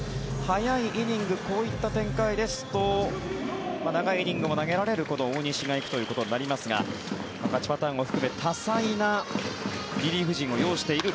早いイニングこういった展開ですと長いイニングを投げられる大西が行くということになりますが勝ちパターンを含め多彩なリリーフ陣を擁している